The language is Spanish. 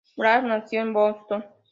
Braff nació en Boston.